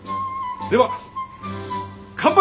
では乾杯！